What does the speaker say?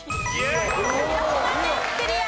広島県クリア。